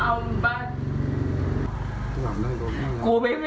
แล้วเขามีความไปล่ะ